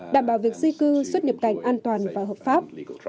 đảm bảo việc di cư xuất nhập cảnh an toàn và hợp pháp